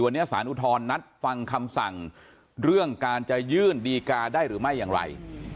วันนี้สารอุทธรณ์นัดฟังคำสั่งเรื่องการจะยื่นดีการ์ได้หรือไม่อย่างไร